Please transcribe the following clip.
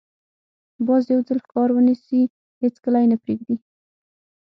باز یو ځل ښکار ونیسي، هېڅکله یې نه پرېږدي